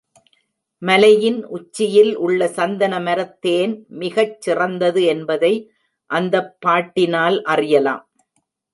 மலையின் உச்சியில் உள்ள சந்தன மரத்தேன் மிகச் சிறந்தது என்பதை அந்தப் பாட்டினால் அறியலாம்.